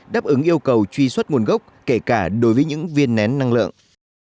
đáp ứng yêu cầu truy xuất nguồn gốc kể cả đối với những viên nén năng lượng